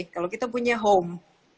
kalau kita punya home